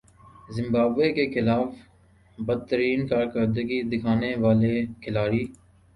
Zimbabwe کے خلاف بدترین کارکردگی دکھانے والے کھلاڑی